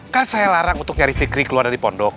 kan saya larang untuk nyari fikri keluar dari pondok